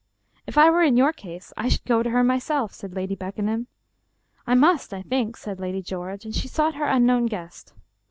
" If I were in your case I should go to her myself," said Lady Beckenham. " I must, I think," said Lady George, and she sought her unknown guest.